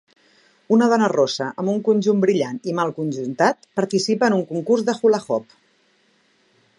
Una dona rossa amb un conjunt brillant i mal conjuntat participa en un concurs de hula hoop.